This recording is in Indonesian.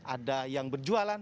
ada yang berjualan